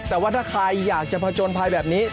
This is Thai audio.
แต่ว่าถ้าใครอยากจะผจญภัยแบบนี้